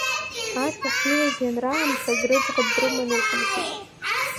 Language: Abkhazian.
Арҭ ахьнеиз ианраамҭаз рыӡӷаб дрыманы ихынҳәит.